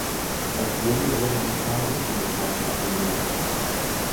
Als Gründe wurden interne Unstimmigkeiten angegeben.